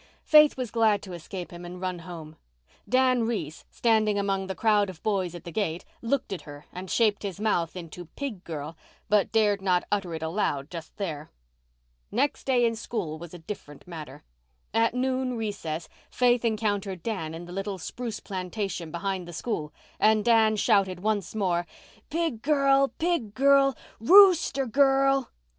Faith was glad to escape him and run home. Dan Reese, standing among the crowd of boys at the gate, looked at her and shaped his mouth into "pig girl," but dared not utter it aloud just there. Next day in school was a different matter. At noon recess Faith encountered Dan in the little spruce plantation behind the school and Dan shouted once more, "Pig girl! Pig girl! _Rooster girl!